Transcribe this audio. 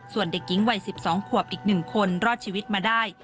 ส่วนเด็กหญิงวัย๑๒ขวบอีก๑คนรอดชีวิตมาได้